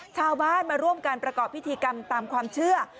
ชาวบ้านมาร่วมการประกอบพิธีกรรมตามความเชื่อ